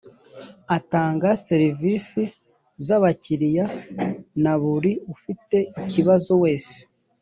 atanga serivisi z ‘abakiriya na buri ufite icyibazo wese.